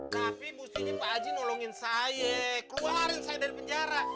tapi mestinya pak haji nolongin saya keluarin saya dari penjara